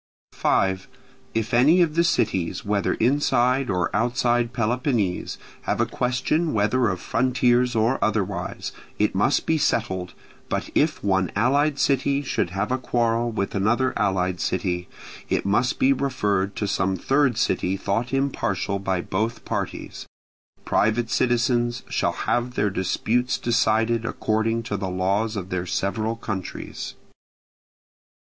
5. If any of the cities, whether inside or outside Peloponnese, have a question whether of frontiers or otherwise, it must be settled, but if one allied city should have a quarrel with another allied city, it must be referred to some third city thought impartial by both parties. Private citizens shall have their disputes decided according to the laws of their several countries.